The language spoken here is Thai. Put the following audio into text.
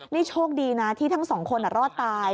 นี่โชคดีนะที่ทั้งสองคนรอดตาย